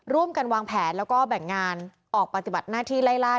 ร่วมกันวางแผนแล้วก็แบ่งงานออกปฏิบัติหน้าที่ไล่ล่า